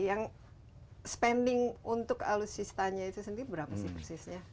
yang spending untuk alutsistanya itu sendiri berapa sih persisnya